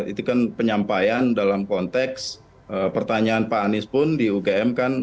itu kan penyampaian dalam konteks pertanyaan pak anies pun di ugm kan